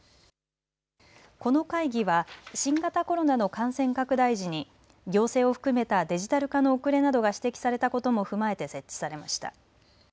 この会議は新型コロナの感染拡大時に行政を含めたデジタル化の遅れなどが指摘されたことも踏まえて設置されました。